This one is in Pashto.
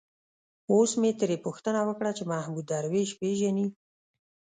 اوس مې ترې پوښتنه وکړه چې محمود درویش پېژني.